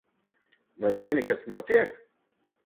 Vai zini, kas notiek?